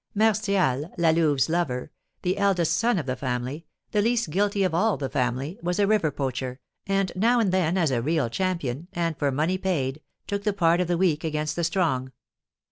Martial (La Louve's lover), the eldest son of the family, the least guilty of all the family, was a river poacher, and now and then, as a real champion, and for money paid, took the part of the weak against the strong.